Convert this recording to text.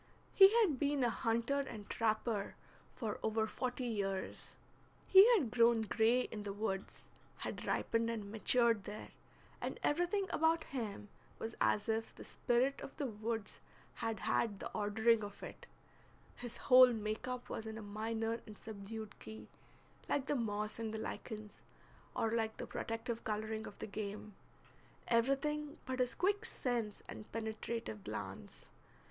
He had been a hunter and trapper for over forty years; he had grown gray in the woods, had ripened and matured there, and everything about him was as if the spirit of the woods had had the ordering of it; his whole make up was in a minor and subdued key, like the moss and the lichens, or like the protective coloring of the game, everything but his quick sense and penetrative glance.